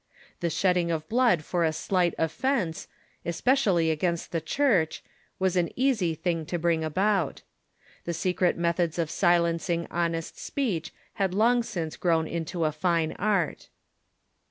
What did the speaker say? The shedding of blood for a slight offence, especially against the Church, Avas an easy thing to bring about. The secret methods of silencing honest speech had long since groAvn into a fine art.